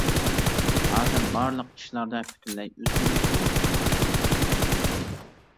ھازىر، بارلىق ئىشلاردا پۈتۈنلەي ئۆزگىرىش بولۇپتۇ.